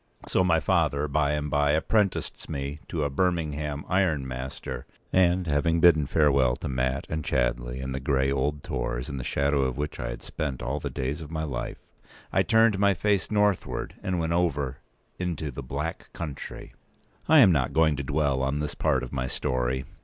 So my father by and by apprenticed me to a Birmingham iron master; and, having bidden farewell to Mat, and Chadleigh, and the grey old Tors in the shadow of which I had spent all the days of my life, I turned my face northward, and went over into "the Black Country." p. 190I am not going to dwell on this part of my story.